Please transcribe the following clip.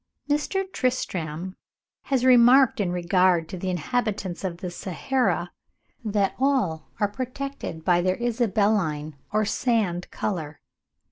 Mr. Tristram has remarked in regard to the inhabitants of the Sahara, that all are protected by their "isabelline or sand colour."